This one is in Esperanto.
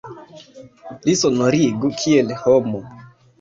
Li sonorigu kiel homo.